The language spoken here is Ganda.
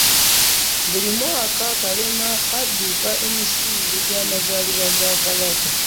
Buli mwaka kalema adduka emisinde gya mazaalibwa ga kabaka.